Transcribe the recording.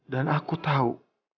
dan aku tau